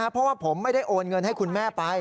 เพราะว่าผมไม่ได้โอนเงินให้คุณแม่ไป